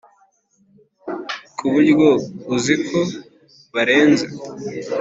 kuburyo uziko barenze